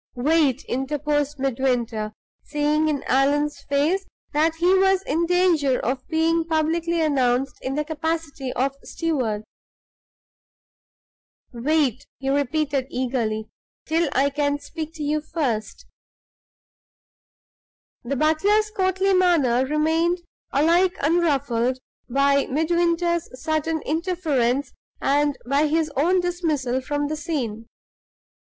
"Wait!" interposed Midwinter, seeing in Allan's face that he was in danger of being publicly announced in the capacity of steward. "Wait!" he repeated, eagerly, "till I can speak to you first." The butler's courtly manner remained alike unruffled by Midwinter's sudden interference and by his own dismissal from the scene.